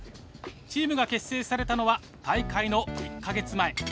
チームが結成されたのは大会の１か月前。